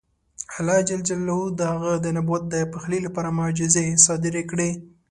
الله جل جلاله د هغه د نبوت د پخلي لپاره معجزې صادرې کړې.